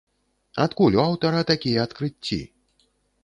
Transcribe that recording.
Адкуль у аўтара такія адкрыцці?